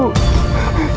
jadi mereka berpikir